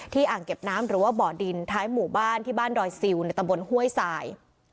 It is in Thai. อ่างเก็บน้ำหรือว่าบ่อดินท้ายหมู่บ้านที่บ้านดอยซิลในตำบลห้วยสาย